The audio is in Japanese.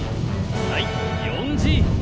はい４Ｇ。